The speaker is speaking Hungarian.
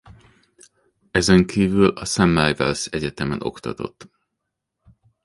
Ezenkívül a Semmelweis Egyetemen oktatott.